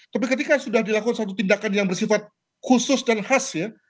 tapi ketika sudah dilakukan satu tindakan yang bersifat khusus dan khas ya